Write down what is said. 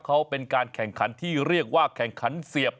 เขาเป็นการแข่งขันที่เรียกว่าแข่งขันเสียบ